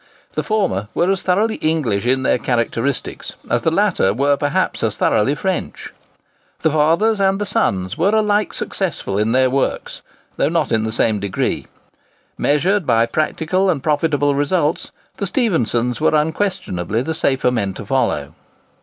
The former were as thoroughly English in their characteristics as the latter were perhaps as thoroughly French. The fathers and the sons were alike successful in their works, though not in the same degree. Measured by practical and profitable results, the Stephensons were unquestionably the safer men to follow.